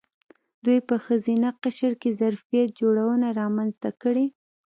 دوی په ښځینه قشر کې ظرفیت جوړونه رامنځته کړې.